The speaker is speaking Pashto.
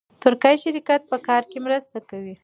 ترکي شرکت په کار کې مرسته کوي.